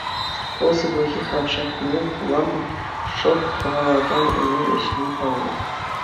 Вӑл сывлӑхӗ хавшаккине пула шӑк хӑвалакан эмел ӗҫни паллӑ.